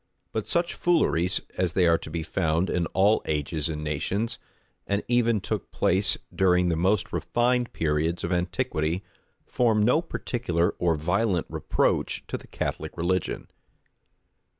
But such fooleries, as they are to be found in all ages and nations, and even took place during the most refined periods of antiquity, form no particular or violent reproach to the Catholic religion.